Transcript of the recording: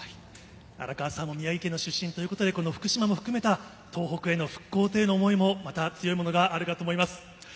荒川さんも宮城県出身ということで福島県も含めた東北復興への想いも、熱いものがあると思います。